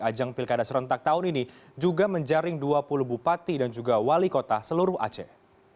ajang pilkada serentak tahun ini juga menjaring dua puluh bupati dan juga wali kota seluruh aceh